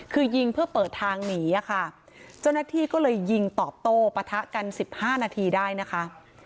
คือยิงเพื่อเปิดทางหนีอะค่ะเจ้าหน้าที่ก็เลยยิงตอบโต้ปะทะกัน๑๕นาทีได้นะคะ